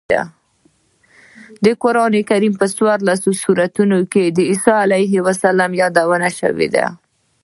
د قرانکریم په دیارلس سورتونو کې عیسی علیه السلام یاد شوی دی.